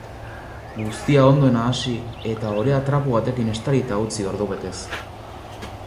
Guztia ondo nahasi, eta orea trapu batekin estalita utzi ordubetez.